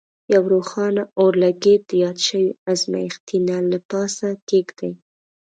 یو روښانه اورلګیت د یاد شوي ازمیښتي نل له پاسه کیږدئ.